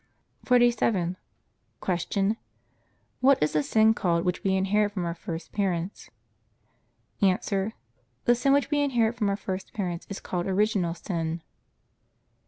47. Q. What is the sin called which we inherit from our first parents? A. The sin which we inherit from our first parents is called original sin.